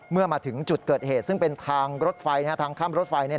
เมื่อมาถึงจุดเกิดเหตุซึ่งเป็นทางรถไฟทางข้ามรถไฟ